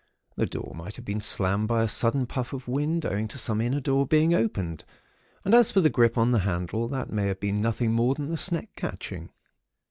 The door might have been slammed by a sudden puff of wind, owing to some inner door being opened; and as for the grip on the handle, that may have been nothing more than the sneck catching.